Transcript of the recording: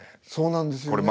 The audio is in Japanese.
そうなんですよね。